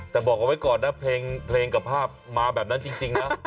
แต่บอกเอาไว้ก่อนนะเพลงกับภาพมาแบบนั้นจริงนะ